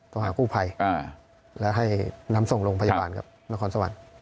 หากู้ภัยแล้วให้นำส่งโรงพยาบาลกับนครสวรรค์